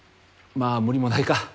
まあ無理もないか。